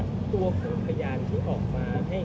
หมอบรรยาหมอบรรยา